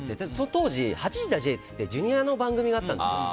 当時「８時だＪ」っていってＪｒ．の番組があったんです。